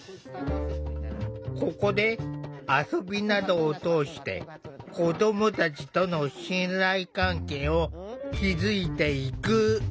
ここで遊びなどを通して子どもたちとの信頼関係を築いていく。